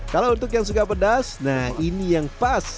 kalau untuk yang suka pedas nah ini yang pas